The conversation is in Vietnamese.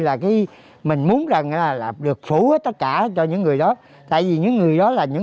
là cái mình muốn là được phủ hết tất cả cho những người đó tại vì những người đó là những